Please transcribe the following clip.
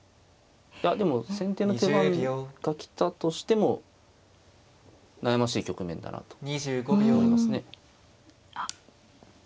でも先手の手番が来たとしても悩ましい局面だなと思いますね。